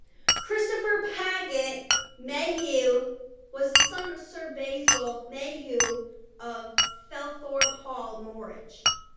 Christopher Paget Mayhew was the son of Sir Basil Mayhew of Felthorpe Hall, Norwich.